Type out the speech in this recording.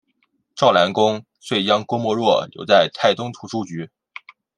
赵南公遂将郭沫若留在泰东图书局。